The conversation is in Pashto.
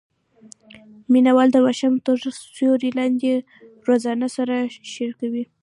مینه وال د ماښام تر سیوري لاندې رازونه سره شریکوي.